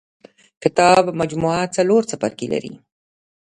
کتاب مجموعه څلور څپرکي لري.